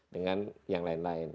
dengan yang lain lain